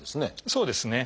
そうですね。